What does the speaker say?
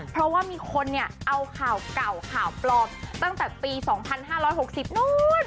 เพราะว่ามีคนเนี่ยเอาข่าวเก่าข่าวปลอมตั้งแต่ปีสองพันห้าร้อยหกสิบนู้น